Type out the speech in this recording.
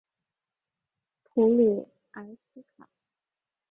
普卢埃斯卡。